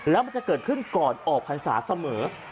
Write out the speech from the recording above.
แล้วมันจะเกิดขึ้นก่อนออกพรรษาเสมอ